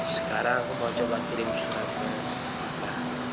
sekarang aku mau coba kirim surat ke sita